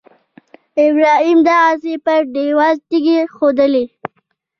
ابراهیم دغسې پر دېوال تیږې ایښودلې.